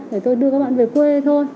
để tôi đưa các bạn về quê thôi